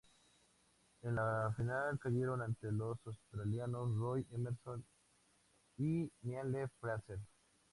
En la final cayeron ante los australianos Roy Emerson y Neale Fraser.